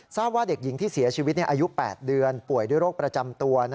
ว่าเด็กหญิงที่เสียชีวิตอายุ๘เดือนป่วยด้วยโรคประจำตัว